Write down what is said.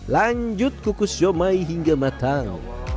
lanjut kukus zomay hingga matang